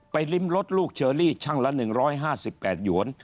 ริมรถลูกเชอรี่ช่างละ๑๕๘หยวน